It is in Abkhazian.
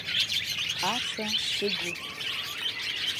Ацәа сыгуп.